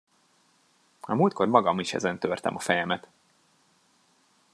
A múltkor magam is ezen törtem a fejemet!